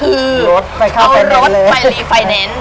เอารถไปรีไฟแอนน์